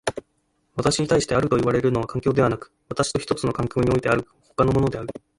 私に対してあるといわれるのは環境でなく、私と一つの環境においてある他のものである。